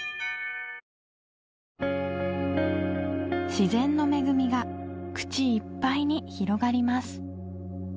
自然の恵みが口いっぱいに広がります